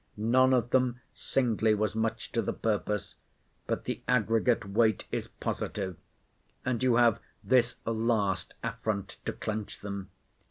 None of them singly was much to the purpose, but the aggregate weight is positive; and you have this last affront to clench them.